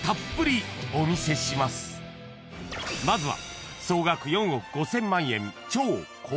［まずは］